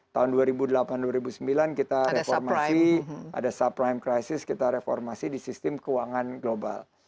tahun dua ribu delapan dua ribu sembilan kita reformasi ada subprime crisis kita reformasi di sistem keuangan global